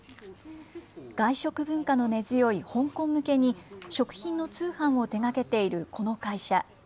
外食文化の根強い香港向けに、食品の通販を手がけているこの会社。